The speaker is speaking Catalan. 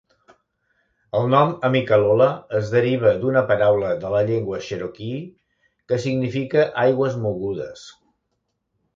El nom "Amicalola" es deriva d'una paraula de la llengua cherokee que significa "aigües mogudes".